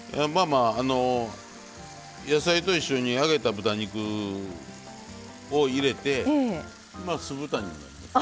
野菜と一緒に揚げた豚肉を入れて酢豚にもなります。